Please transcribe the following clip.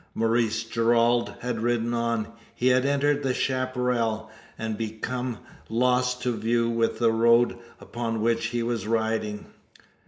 Maurice Gerald had ridden on. He had entered the chapparal; and become lost to view with the road upon which he was riding.